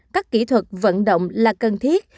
các kỹ thuật vận động là cần thiết